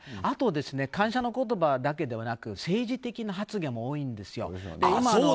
あと、感謝の言葉だけではなく政治的な発言も多いんですよ。